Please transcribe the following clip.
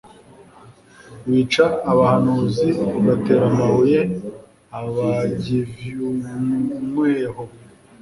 Wica abahanuzi ugatera amabuye abagviuunweho,